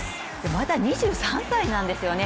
まだ２３歳なんですよね。